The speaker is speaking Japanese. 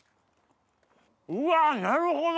うわなるほど！